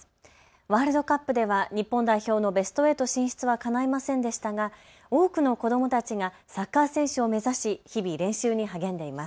ワールドカップでは日本代表のベスト８進出はかないませんでしたが多くの子どもたちがサッカー選手を目指し日々、練習に励んでいます。